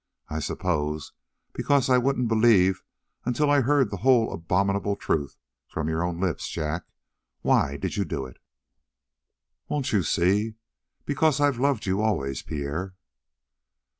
I suppose because I wouldn't believe until I heard the whole abominable truth from your own lips. Jack, why did you do it?" "Won't you see? Because I've loved you always, Pierre!"